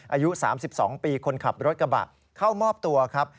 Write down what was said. อายุ๓๒ปีคนขับรถกระบะเข้ามอบตัวครับ